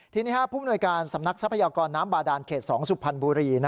ทีนี้ผู้มนวยการสำนักทรัพยากรน้ำบาดานเขต๒สุพรรณบุรี